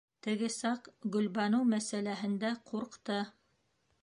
Теге саҡ, Гөлбаныу мәсьәләһендә, ҡурҡты.